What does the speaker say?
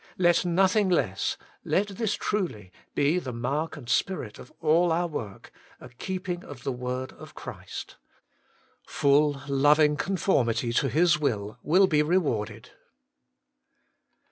Let nothing less, let this truly, be the mark and spirit of all our work : a keeping of the word of Christ. Full, loving conform ity to His will will be rewarded.